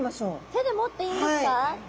手で持っていいんですか？